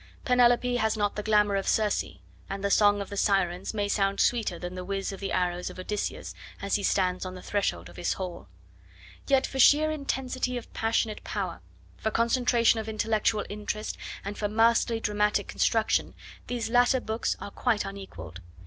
Penelope has not the glamour of Circe, and the song of the Sirens may sound sweeter than the whizz of the arrows of Odysseus as he stands on the threshold of his hall. Yet, for sheer intensity of passionate power, for concentration of intellectual interest and for masterly dramatic construction, these latter books are quite unequalled.